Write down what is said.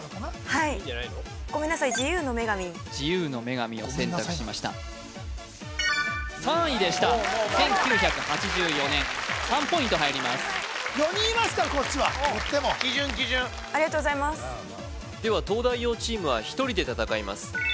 はいごめんなさい自由の女神を選択しました３位でした１９８４年３ポイント入ります基準基準ありがとうございますでは東大王チームは１人で戦います